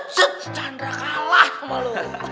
chandra kalah sama lo